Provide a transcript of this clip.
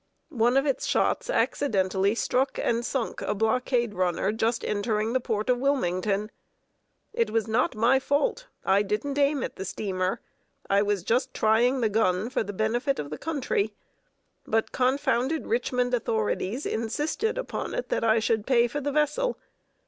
One of its shots accidentally struck and sunk a blockade runner just entering the port of Wilmington. It was not my fault. I didn't aim at the steamer. I was just trying the gun for the benefit of the country. But these confounded Richmond authorities insisted upon it that I should pay for the vessel.